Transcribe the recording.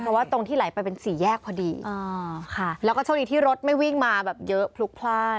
เพราะว่าตรงที่ไหลไปเป็นสี่แยกพอดีอ่าค่ะแล้วก็โชคดีที่รถไม่วิ่งมาแบบเยอะพลุกพลาด